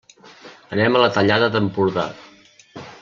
Anem a la Tallada d'Empordà.